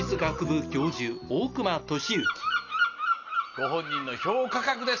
ご本人の評価額です。